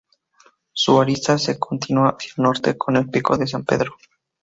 Su arista se continúa hacia el norte con el Pico San Pedro.